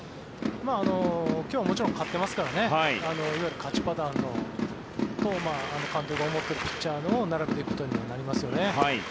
今日はもちろん勝ってますからねいわゆる勝ちパターンと監督は思っているピッチャーを並べていくことにはなりますよね。